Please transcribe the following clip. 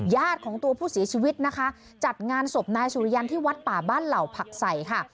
ญาติของตัวผู้เสียชีวิตนะคะจัดงานศพนายสุริยันที่วัดป่าบ้านเหล่าผักใส่ค่ะ